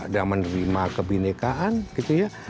dan menerima kebindekaan gitu ya